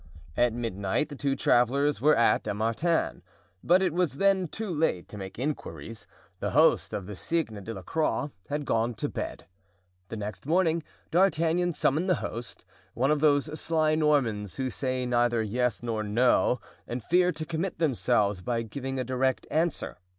At midnight the two travelers were at Dammartin, but it was then too late to make inquiries—the host of the Cygne de la Croix had gone to bed. The next morning D'Artagnan summoned the host, one of those sly Normans who say neither yes nor no and fear to commit themselves by giving a direct answer.